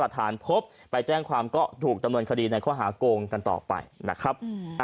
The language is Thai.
ตำนวนคดีในข้อหากงกันต่อไปนะครับ